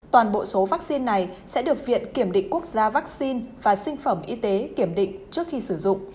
toàn bộ số vaccine này sẽ được viện kiểm định quốc gia vaccine và sinh phẩm y tế kiểm định trước khi sử dụng